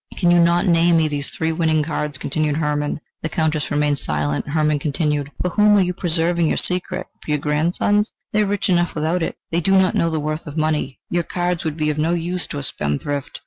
"Can you not name me these three winning cards?" continued Hermann. The Countess remained silent; Hermann continued: "For whom are you preserving your secret? For your grandsons? They are rich enough without it; they do not know the worth of money. Your cards would be of no use to a spendthrift.